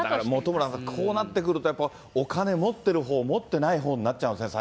本村さん、こうなってくると、やっぱお金持ってるほう、持ってないほうになっちゃうんですね。